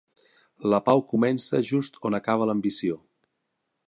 La pau comença just on acaba l'ambició.